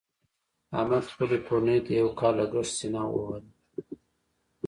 احمد خپلې کورنۍ ته د یو کال لګښت سینه ووهله.